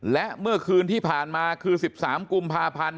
และเมื่อคืนที่ผ่านมาคือ๑๓กุมภาพันธ์